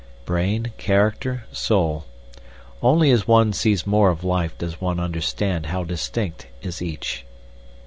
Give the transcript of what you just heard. Brain, character, soul only as one sees more of life does one understand how distinct is each.